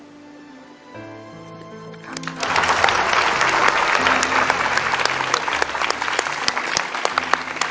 ขอบคุณครับ